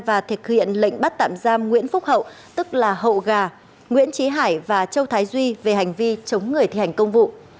và thực hiện lệnh bắt tạm giam nguyễn phúc hậu tức là hậu gà nguyễn trí hải và châu thái duy về hành vi chống người thi hành công vụ